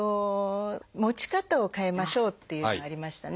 持ち方を変えましょうっていうのありましたね。